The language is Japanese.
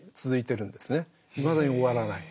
いまだに終わらない。